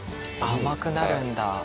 甘くなるんだ。